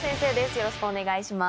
よろしくお願いします。